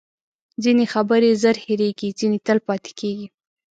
ځینې خبرې زر هیرېږي، ځینې تل پاتې کېږي.